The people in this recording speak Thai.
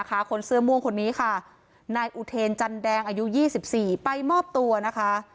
คนเสื้อม่วงคนนี้ค่ะนายอุเทนจันแดงอายุ๒๔ไปมอบตัวนะคะ